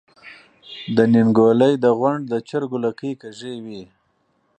د نينګوَلۍ د غونډ د چرګو لکۍ کږې وي۔